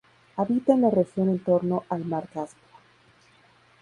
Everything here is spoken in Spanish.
Habita en la región entorno al mar Caspio.